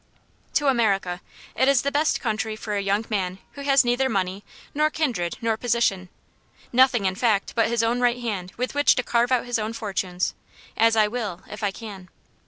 "To America. It is the best country for a young man who has neither money, nor kindred, nor position nothing, in fact, but his own right hand with which to carve out his own fortunes as I will, if I can."